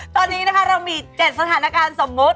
ตอนนี้นะคะเรามี๗สถานการณ์สมมุติ